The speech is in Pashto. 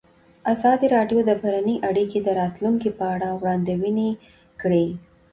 ازادي راډیو د بهرنۍ اړیکې د راتلونکې په اړه وړاندوینې کړې.